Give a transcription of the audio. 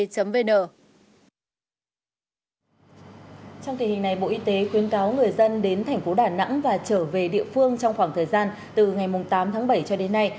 trong tình hình này bộ y tế khuyến cáo người dân đến thành phố đà nẵng và trở về địa phương trong khoảng thời gian từ ngày tám tháng bảy cho đến nay